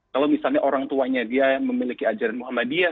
kalau misalnya orang tuanya dia memiliki ajaran muhammadiyah